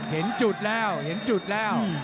เห็นจุดแล้วเห็นจุดแล้ว